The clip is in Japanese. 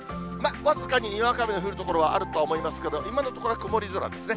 僅かににわか雨の降る所はあると思いますけれども、今のところは曇り空ですね。